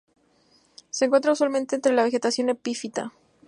Se encuentra usualmente entre la vegetación epífita.